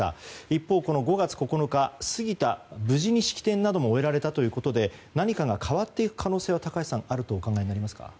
一方、５月９日が過ぎて無事に式典なども終えられたということで何かが変わっていく可能性はあるとお考えでしょうか。